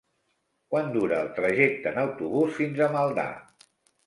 Quant dura el trajecte en autobús fins a Maldà?